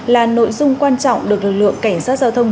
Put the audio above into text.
là nội dung quan trọng được lực lượng cảnh sát giao thông